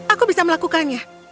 aku bisa melakukannya